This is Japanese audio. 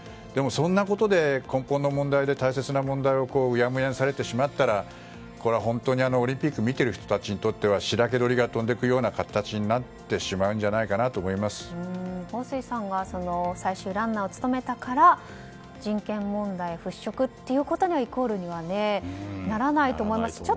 でもそんなことで根本の問題で大切な問題をうやむやにされてしまったらオリンピック見てる人たちにとってはしらけ鳥が飛んでいくような形になってしまうんじゃないかとホウ・スイさんが最終ランナーを務めたから人権問題払拭ということにはイコールにはならないと思います。